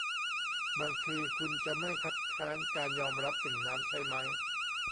บางทีคุณจะไม่คัดค้านการยอมรับสิ่งนั้นใช่มั้ย